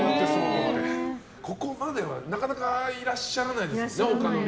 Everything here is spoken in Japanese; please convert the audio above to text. ここまではなかなかいらっしゃらないですもんね